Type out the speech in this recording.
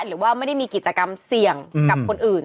หรือว่าไม่ได้มีกิจกรรมเสี่ยงกับคนอื่น